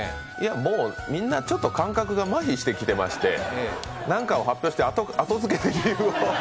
もうみんなちょっと感覚がまひしてきておりまして何かを発表して後付けの理由を。